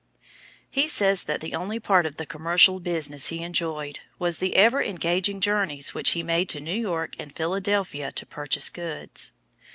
He says that the only part of the commercial business he enjoyed was the ever engaging journeys which he made to New York and Philadelphia to purchase goods.